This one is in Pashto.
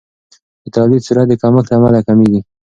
د تولید سرعت د کمښت له امله کمیږي.